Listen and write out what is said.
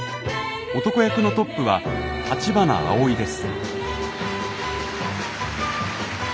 男役のトップは橘アオイです。